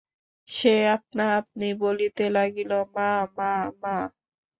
সে আপনা-আপনি বলিতে লাগিল–মা, মা, মা!